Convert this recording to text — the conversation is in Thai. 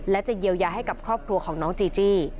และจะเยียวยาให้กับครอบครัวของน้องจีจี้